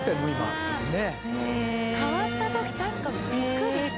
本仮屋：変わった時確かにビックリした。